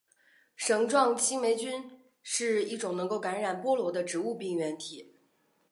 绳状青霉菌是一种能够感染菠萝的植物病原体。